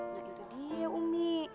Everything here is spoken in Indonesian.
nah itu dia umi